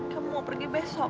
kamu mau pergi besok